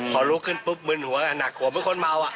พอลุกขึ้นปุ๊บมึนหัวหนักหัวเหมือนคนเมาอ่ะ